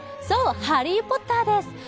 そう、「ハリー・ポッター」です。